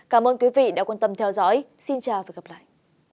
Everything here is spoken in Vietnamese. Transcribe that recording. cảm ơn các bạn đã theo dõi xin chào và gặp lại